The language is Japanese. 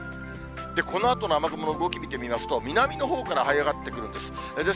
このあとの雨雲の動き見てみますと、南のほうからはい上がってくるんです。